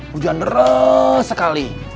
hujan res sekali